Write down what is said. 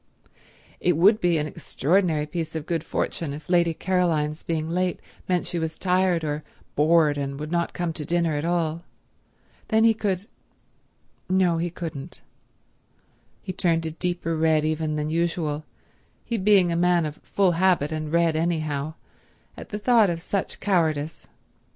It would be an extraordinary piece of good fortune if Lady Caroline's being late meant she was tired or bored and would not come to dinner at all. Then he could—no, he couldn't. He turned a deeper red even than usual, he being a man of full habit and red anyhow, at the thought of such cowardice.